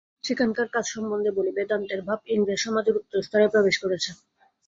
সেখানকার কাজ সম্বন্ধে বলি, বেদান্তের ভাব ইংরেজ সমাজের উচ্চ স্তরে প্রবেশ করেছে।